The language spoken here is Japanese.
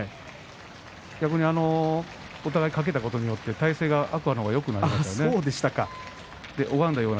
逆にお互い掛けたことによって体勢が、天空海の方がよくなりましたね。